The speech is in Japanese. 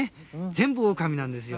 全部オオカミなんですよ。